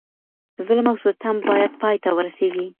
ظلم او ستم بايد پای ته ورسيږي.